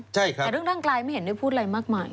แต่เรื่องร่างกายไม่เห็นได้พูดอะไรมากมาย